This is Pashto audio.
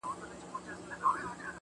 چي پکي روح نُور سي، چي پکي وژاړي ډېر.